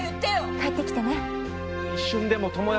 「帰ってきてね」